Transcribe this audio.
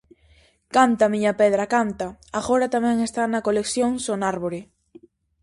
"Canta, miña pedra, canta" agora tamén está na colección Sonárbore.